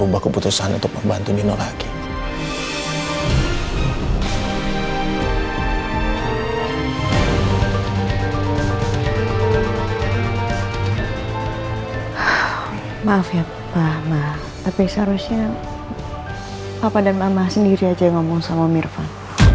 tapi seharusnya papa dan mama sendiri aja yang ngomong sama om irfan